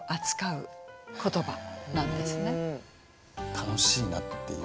楽しいなっていう。